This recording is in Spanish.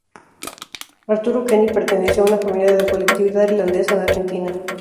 Arturo Kenny perteneció a una familia de la colectividad irlandesa en Argentina.